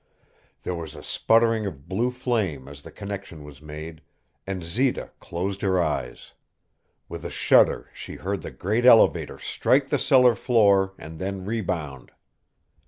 There was a sputtering of blue flame as the connection was made, and Zita closed her eyes. With a shudder she heard the great elevator strike the cellar floor and then rebound.